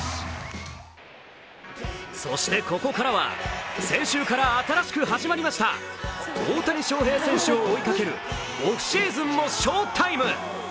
そして、ここからは先週から新しく始まりました、大谷翔平選手を追いかけるオフシーズンも「賞−ＴＩＭＥ」。